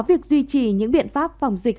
việc duy trì những biện pháp phòng dịch